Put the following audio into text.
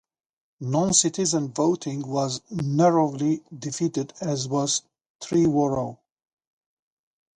Non-citizen voting was narrowly defeated as was Trevorrow.